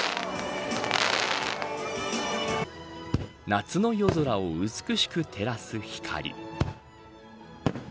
夏の夜空を美しく照らす光。